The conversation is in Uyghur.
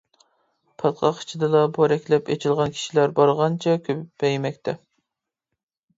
پاتقاق ئىچىدىلا «پورەكلەپ ئېچىلغان» كىشىلەر بارغانچە كۆپەيمەكتە.